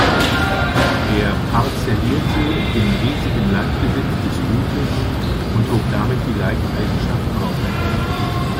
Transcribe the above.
Er parzellierte den riesigen Landbesitz des Gutes und hob damit die Leibeigenschaft auf.